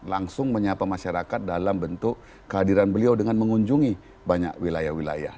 langsung menyapa masyarakat dalam bentuk kehadiran beliau dengan mengunjungi banyak wilayah wilayah